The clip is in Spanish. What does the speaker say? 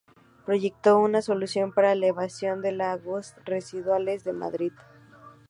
Proyectó una solución para la evacuación de las aguas residuales de Madrid.